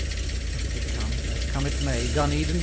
And if it come, as come it may, Dun Edin!